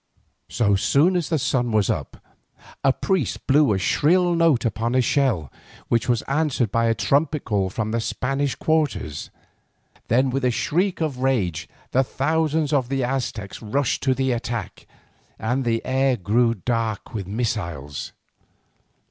So soon as the sun was up, a priest blew a shrill note upon a shell, which was answered by a trumpet call from the Spanish quarters. Then with a shriek of rage the thousands of the Aztecs rushed to the attack, and the air grew dark with missiles.